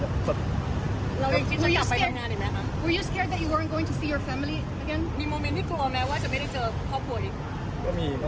คุณอยู่ในโรงพยาบาลนะ